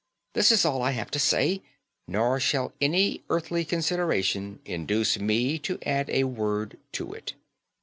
This is all I have to say; nor shall any earthly consideration induce me to add a word to it.